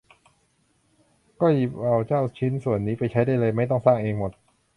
ก็หยิบเอาเจ้าชิ้นส่วนนี้ไปใช้ได้เลย ไม่ต้องสร้างเองหมด